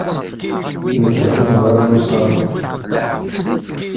Nekk d amezraw n usaḍuf.